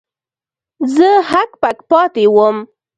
زه هک پک پاتې وم.